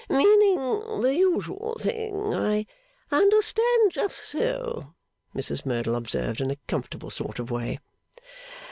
'Meaning the usual thing; I understand; just so,' Mrs Merdle observed in a comfortable sort of way.